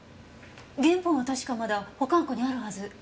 原本は確かまだ保管庫にあるはず。